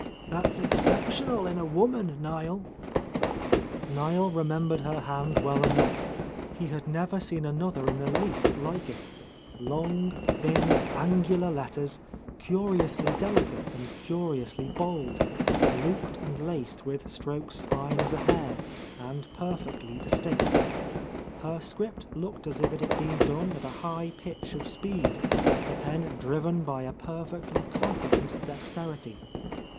That's exceptional in a woman, Niel." Niel remembered her hand well enough, he had never seen another in the least like it; long, thin, angular letters, curiously delicate and cu riously bold, looped and laced with strokes fine as a hair and perfectly distinct. Her script looked as if it had been done at a high pitch of speed, the pen driven by a perfectly confident dexterity.